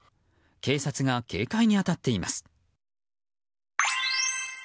警察が警戒に当たっています。